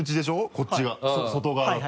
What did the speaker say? こっちが外側だと。